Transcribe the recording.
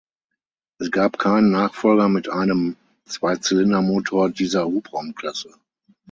Es gab keinen Nachfolger mit einem Zweizylindermotor dieser Hubraumklasse.